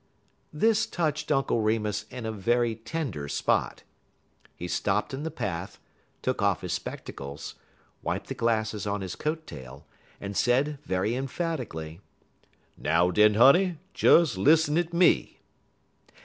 This touched Uncle Remus in a very tender spot. He stopped in the path, took off his spectacles, wiped the glasses on his coat tail, and said very emphatically: "Now den, honey, des lissen at me.